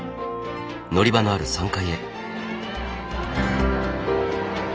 乗り場のある３階へ。